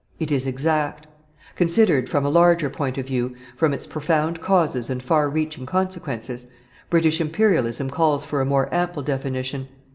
It is exact. Considered from a larger point of view, from its profound causes and far reaching consequences, British Imperialism calls for a more ample definition.